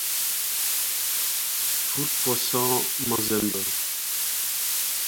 Tout Puissant Mazembe